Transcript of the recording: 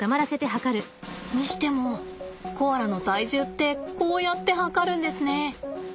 にしてもコアラの体重ってこうやって量るんですね。